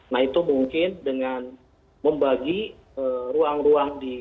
nah itu mungkin dengan membagi ruang ruang di